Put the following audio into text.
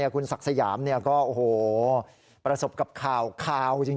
คุณศักดิ์สยามก็โอ้โหประสบกับข่าวจริง